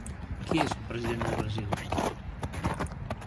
Qui és el president del Brasil?